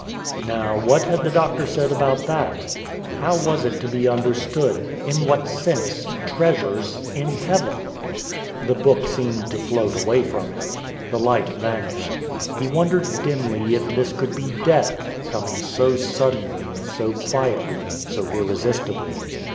Now what had the Doctor said about that? How was it to be understood in what sense treasures in heaven? The book seemed to float away from him. The light vanished. He wondered dimly if this could be Death, coming so suddenly, so quietly, so irresistibly.